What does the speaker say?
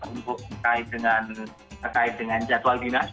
untuk terkait dengan jadwal dinas